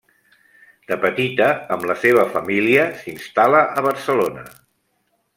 De petita amb la seva família s'instal·la a Barcelona.